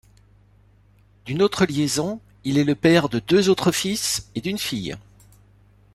D'une autre liaison, il est le père de deux autres fils et d'une fille.